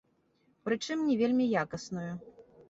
Прычым, не вельмі якасную.